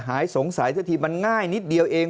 หายสงสัยซะทีมันง่ายนิดเดียวเอง